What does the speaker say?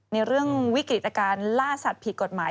ในเรื่องวิกฤตการณ์ล่าสัตว์ผิดกฎหมาย